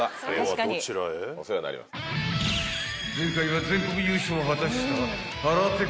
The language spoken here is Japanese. ［前回は全国優勝を果たした腹ペコ